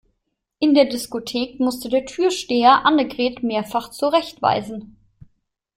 In der Diskothek musste der Türsteher Annegret mehrfach zurechtweisen.